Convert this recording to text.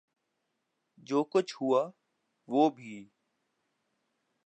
جو کچھ ہوا، وہ بھی